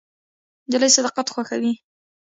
نجلۍ صداقت خوښوي.